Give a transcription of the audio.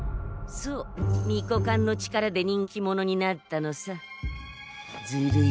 そう巫女缶の力で人気者になったのさ。